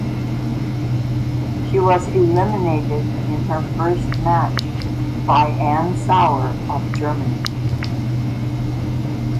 She was eliminated in her first match by Anne Sauer of Germany.